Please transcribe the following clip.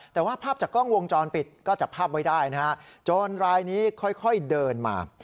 แต่ว่าภาพจากกล้องวงจรปิดก็จับภาพไว้ได้นะฮะโจรรายนี้ค่อยเดินมา